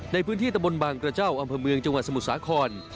ในพื้นที่ตะบนบางกระเจ้าอำเภอเมืองจังหวัดสมุทรสาคร